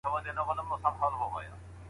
نور یې په لاره کي د سر په سودا نه راځمه